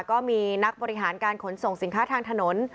ก็มีนักบริหารการขนส่งสินค้าทางถนน